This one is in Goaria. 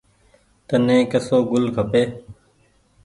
تني ڪسو گل کپي ڇي۔